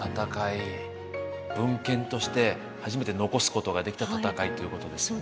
文献として初めて残すことができた戦いということですよね。